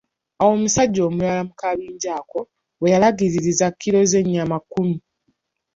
Awo omusajja omulala mu kabinja ako, we yalagiririza kilo z'ennyama kkumi.